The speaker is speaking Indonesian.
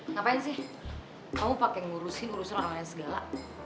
ngapain sih kamu pakai ngurusin ngurusin orang lain segala